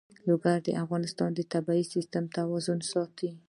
لوگر د افغانستان د طبعي سیسټم توازن ساتي.